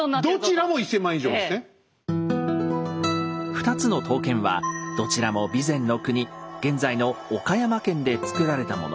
２つの刀剣はどちらも備前国現在の岡山県で作られたもの。